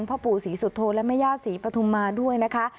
พ่อปู่ศรีสุโธและแม่ย่าศรีปฐุมมาด้วยนะคะ